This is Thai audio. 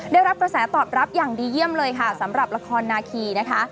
ได้รับกระแสตอบรับอย่างดีเยี่ยมเลยค่ะสำหรับละครนาคีนะคะ